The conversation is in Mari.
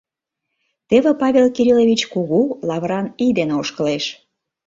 Теве Павел Кириллович кугу, лавран ий дене ошкылеш.